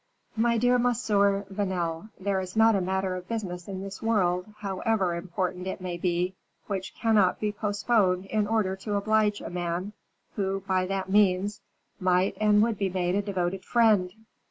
"My dear Monsieur Vanel, there is not a matter of business in this world, however important it may be, which cannot be postponed in order to oblige a man, who, by that means, might and would be made a devoted friend."